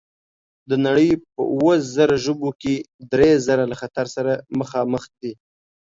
د نړۍ په اووه زره ژبو کې درې زره له خطر سره مخامخ دي.